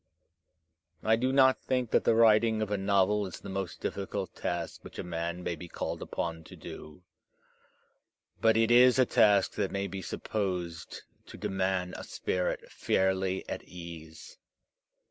I do not think that the writing of a novel is the most difficult task which a man may be called uiK>n to do; but it is a task that may be supposed to demand a spirit fairly at ease.